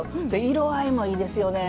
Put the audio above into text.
色合いもいいですよね。